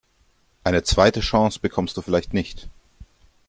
Eine zweite Chance bekommst du vielleicht nicht.